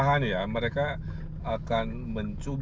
tengah magijasa goyangnya